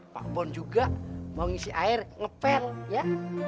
pak bon juga mau ngisi air ngepen ya